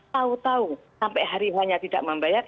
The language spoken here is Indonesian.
tahu tahu sampai hari hanya tidak membayar